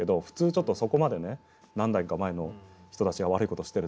ちょっとそこまでね何代か前の人たちが悪い事をしてるとね